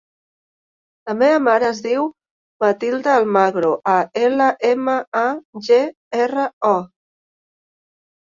La meva mare es diu Matilda Almagro: a, ela, ema, a, ge, erra, o.